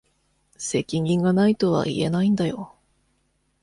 責任が無いとは言えないんだよ。